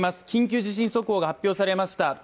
緊急地震速報が発表されました。